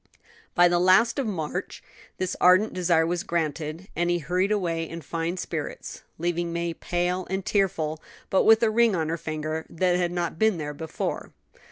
By the last of March this ardent desire was granted, and he hurried away in fine spirits, leaving May pale and tearful, but with a ring on her finger that had not been there before.